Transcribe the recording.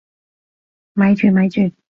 咪住咪住！